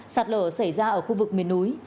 sạt lở xảy ra ở khu vực miền núi